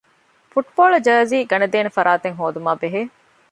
ފުޓްބޯޅަ ޖާރޒީ ގަނެދޭނެ ފަރާތެއް ހޯދުމާބެހޭ